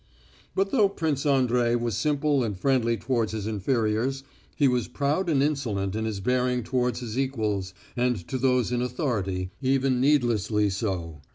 But though Prince Andrey was simple and friendly towards his inferiors, he was proud and insolent in his bearing towards his equals and to those in authority, even needlessly so.